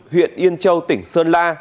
huyện yên châu tỉnh sơn la